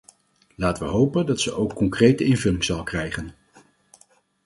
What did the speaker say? Laten we hopen dat ze ook concrete invulling zal krijgen.